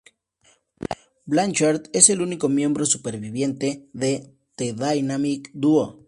Blanchard es el único miembro superviviente de The Dynamic Duo.